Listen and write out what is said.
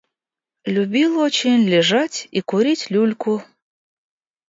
Любил очень лежать и курить люльку.